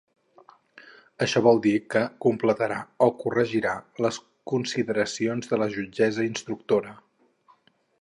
Això vol dir que complementarà o corregirà les consideracions de la jutgessa instructora.